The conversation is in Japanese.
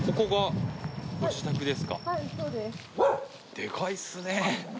でかいですね。